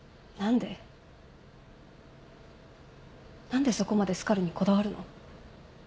何でそこまでスカルにこだわるの？